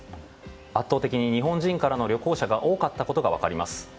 圧倒的に日本人からの旅行者が多かったことが分かります。